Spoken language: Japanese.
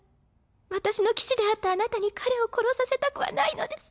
私の騎士であったあなたに彼を殺させたくはないのです。